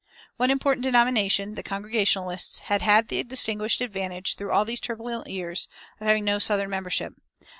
One important denomination, the Congregationalists, had had the distinguished advantage, through all these turbulent years, of having no southern membership.